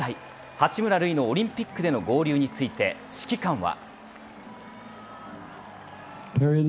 八村塁のオリンピックでの合流について指揮官は。